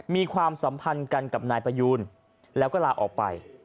ความสัมพันธ์กันกับนายประยูนแล้วก็ลาออกไป